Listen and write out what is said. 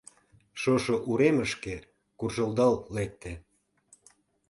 Шошо уремышке куржылдал лекте